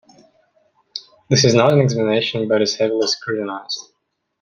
This is not an examination but is heavily scrutinised.